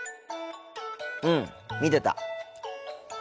うん見てた。